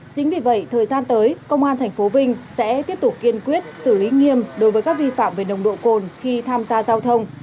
chính vì vậy thời gian tới công an tp vinh sẽ tiếp tục kiên quyết xử lý nghiêm đối với các vi phạm về nồng độ cồn khi tham gia giao thông